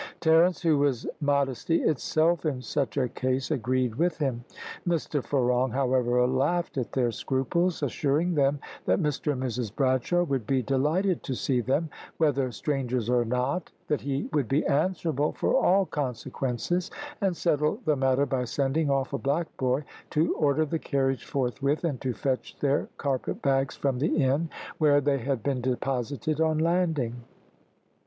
Terence, who was modesty itself in such a case, agreed with him. Mr Ferong, however, laughed at their scruples, assuring them that Mr and Mrs Bradshaw would be delighted to see them, whether strangers or not, that he would be answerable for all consequences, and settled the matter by sending off a black boy to order the carriage forthwith, and to fetch their carpet bags from the inn, where they had been deposited on landing.